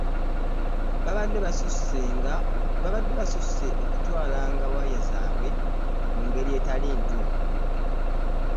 Babadde basusse okutwalanga waya zaabwe mu ngeri etali ntuufu